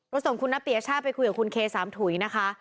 รสมคุณนัพเตียช่าไปคุยกับคุณเคสามถุยนะคะ